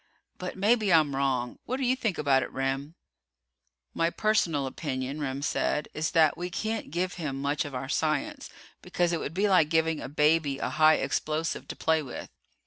But maybe I'm wrong. What do you think about it, Remm?" "My personal opinion," Remm said, "is that we can't give him much of our science, because it would be like giving a baby a high explosive to play with.